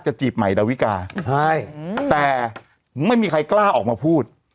จีบใหม่ดาวิกาใช่แต่ไม่มีใครกล้าออกมาพูด